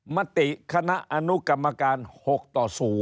มติคณะอนุกรรมการ๖ต่อ๐